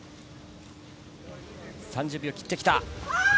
３０秒切ってきた。